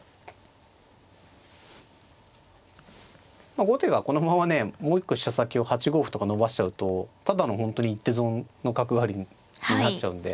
まあ後手がこのままねもう一個飛車先を８五歩とか伸ばしちゃうとただの本当に一手損の角換わりになっちゃうんで。